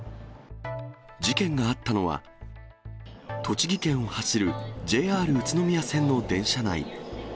事件があったのは、栃木県を走るＪＲ宇都宮線の電車内。